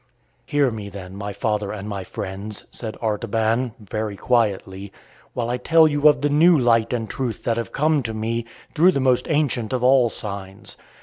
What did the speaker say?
"Hear me, then, my father and my friends," said Artaban, very quietly, "while I tell you of the new light and truth that have come to me through the most ancient of all signs.